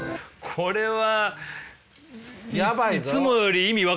これは。